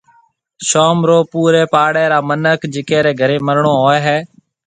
شوم رو پوريَ پاڙيَ را منک جڪي ري گهري مرڻو هوئيَ هيَ